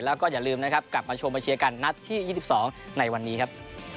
แล้วก็อย่าลืมนะครับกลับมาชมมาเชียร์กันนัดที่๒๒ในวันนี้ครับ